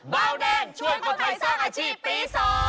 เบาแดงช่วยคนไทยสร้างอาชีพปี๒